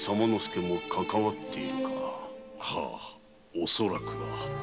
おそらくは。